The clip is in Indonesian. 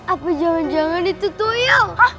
apa jangan jangan itu tuyul